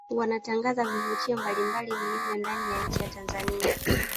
Wanatangaza vivutio mbalimbali vilivyopo ndani ya nchi ya Tanzania